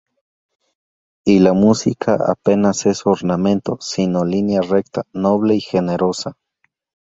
Y la música apenas es ornamento, sino línea recta, noble y generosa.